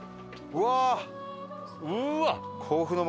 うわっ！